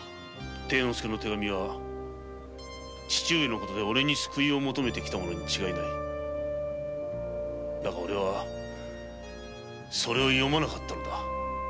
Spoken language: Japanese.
貞之介の手紙は父親の事でオレに救いを求めたものに違いないだがオレはそれを読まなかったんだ。